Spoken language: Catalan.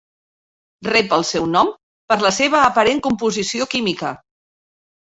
Rep el seu nom per la seva aparent composició química.